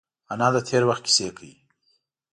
انا د تېر وخت کیسې کوي